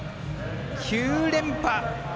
９連覇。